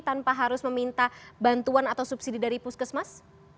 tanpa harus meminta bantuan atau subsidi dari puskesmas